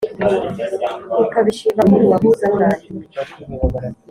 ukabishima ko rubahuza rurangiye